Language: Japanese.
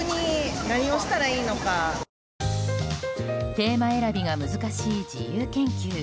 テーマ選びが難しい自由研究。